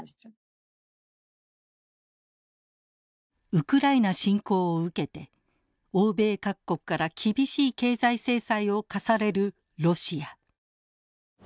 ウクライナ侵攻を受けて欧米各国から厳しい経済制裁を科されるロシア。